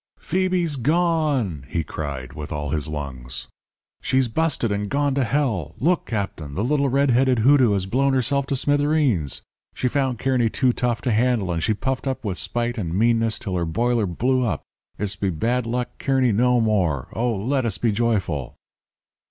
"'PHOEBE'S GONE!' he cried, with all his lungs. 'She's busted and gone to hell. Look, Captain, the little red headed hoodoo has blown herself to smithereens. She found Kearny too tough to handle, and she puffed up with spite and meanness till her boiler blew up. It's be Bad Luck Kearny no more. Oh, let us be joyful!